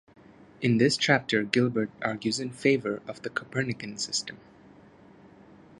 In this chapter Gilbert argues in favor of the Copernican System.